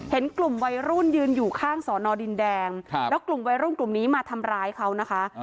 เห็นกลุ่มวัยรุ่นยืนอยู่ข้างสอนอดินแดงแล้วกลุ่มวัยรุ่นกลุ่มนี้มาทำร้ายเขานะคะ